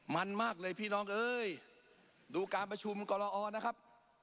มันมากเลยพี่น้องเอ้ยดูการประชุมกรนะครับ